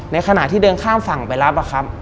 ในขณะที่เดินข้ามฝั่งไปรับอะครับ